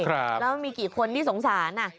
แล้วมีกี่คนที่สงสาร